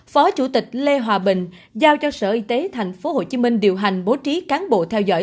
phó chủ tịch lê hòa bình giao cho sở y tế thành phố hồ chí minh điều hành bố trí cán bộ theo dõi